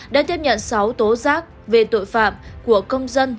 đã tiếp nhận sáu tố giác về tội phạm của công dân